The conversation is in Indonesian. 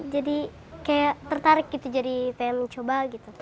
jadi saya tertarik dan ingin mencoba